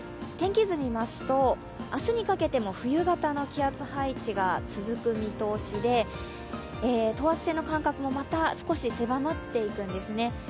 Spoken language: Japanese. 天気図見ますと、明日にかけても冬型の気圧配置が続く見通しで等圧線の間隔もまた少し狭まっていくんですね。